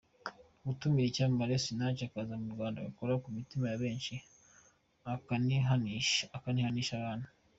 Gutumira icyamamare Sinach akaza mu Rwanda agakora ku mitima ya benshi akanihanisha abantu.